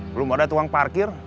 belum ada tuang parkir